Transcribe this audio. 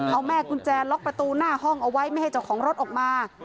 เอาแม่กุญแจล็อกประตูหน้าห้องเอาไว้ไม่ให้เจ้าของรถออกมา